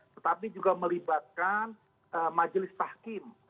tetapi juga melibatkan majelis tahkim